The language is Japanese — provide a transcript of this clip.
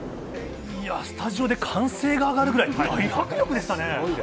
スタジオで歓声があがるくらい大迫力でしたね。